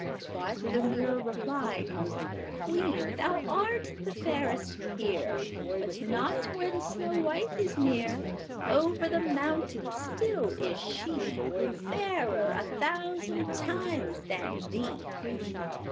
But the mirror replied: "Queen, thou art the fairest here, But not when Snow white is near; Over the mountains still is she, Fairer a thousand times than thee."